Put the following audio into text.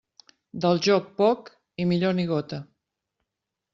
Del joc, poc, i millor ni gota.